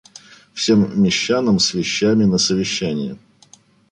Всем мещанам с вещами на совещание